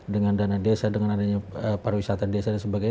dengan dana desa dengan adanya pariwisata desa dan sebagainya